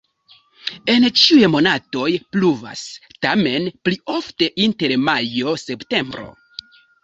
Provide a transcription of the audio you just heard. En ĉiuj monatoj pluvas, tamen pli ofte inter majo-septembro.